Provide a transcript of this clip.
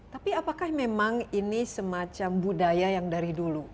tapi apakah memang ini semacam budaya yang dari dulu